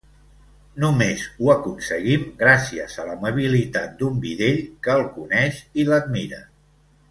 Només ho aconseguim gràcies a l'amabilitat d'un bidell que el coneix i l'admira.